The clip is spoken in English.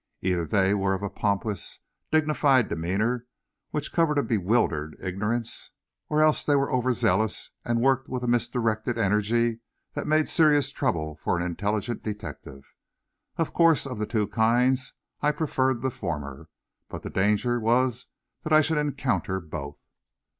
Either they were of a pompous, dignified demeanor, which covered a bewildered ignorance, or else they were overzealous and worked with a misdirected energy that made serious trouble for an intelligent detective. Of course, of the two kinds I preferred the former, but the danger was that I should encounter both.